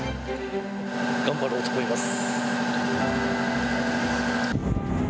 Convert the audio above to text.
頑張ろうと思います。